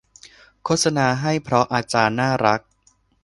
โฆษณาให้เพราะอาจารย์น่ารัก